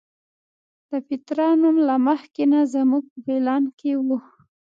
د پیترا نوم له مخکې نه زموږ په پلان کې و.